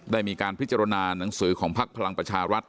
ได้มีการพิจารณาหนังสือของพักพลังประชารัฐ